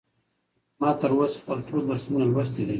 ما تر اوسه خپل ټول درسونه لوستي دي.